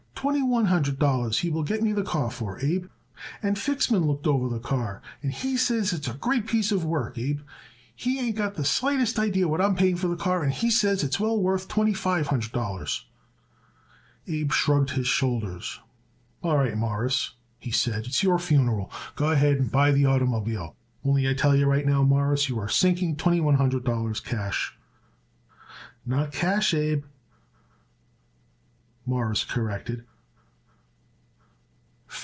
Twenty one hundred dollars he will get me the car for, Abe, and Fixman looked over the car and he says it's a great piece of work, Abe. He ain't got the slightest idee what I am paying for the car and he says it is well worth twenty five hundred dollars." Abe shrugged his shoulders. "All right, Mawruss," he said. "It's your funeral. Go ahead and buy the oitermobile; only I tell you right now, Mawruss, you are sinking twenty one hundred dollars cash." "Not cash, Abe," Morris corrected.